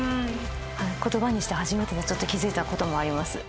言葉にして初めて気付いたこともあります。